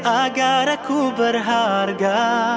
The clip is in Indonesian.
agar aku berharga